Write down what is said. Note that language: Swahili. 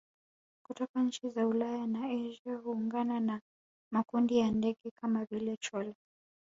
kutoka nchi za Ulaya na Asia huungana na makundi ya ndege kama vile chole